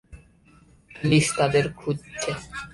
Police তাদের খুঁজছে।